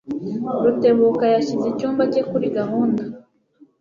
Rutebuka yashyize icyumba cye kuri gahunda.